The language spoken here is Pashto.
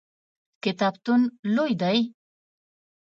کتابتون لوی دی؟